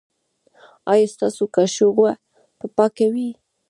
ایا ستاسو کاشوغه به پاکه وي؟